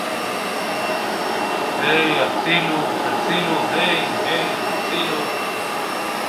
שאנחנו נתחיל להילחם זה בזה פיזית